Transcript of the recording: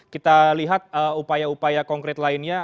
kita lihat upaya upaya konkret lainnya